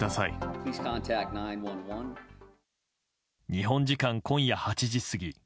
日本時間今夜８時過ぎ。